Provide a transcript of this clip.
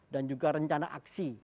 dan juga rencana aksi